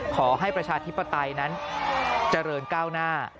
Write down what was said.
ประชาธิปไตยนั้นเจริญก้าวหน้า